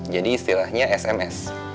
jadi istilahnya sms